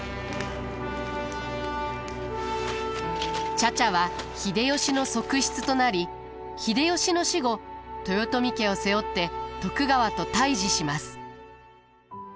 茶々は秀吉の側室となり秀吉の死後豊臣家を背負って徳川と対じします。